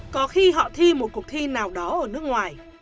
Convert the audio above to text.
có khi họ thi một cuộc thi nào đó ở nước ngoài